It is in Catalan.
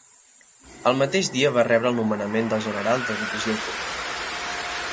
El mateix dia va rebre el nomenament de general de divisió otomà.